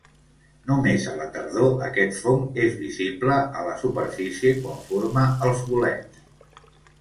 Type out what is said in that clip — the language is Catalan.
Només a la tardor aquest fong és visible a la superfície quan forma els bolets.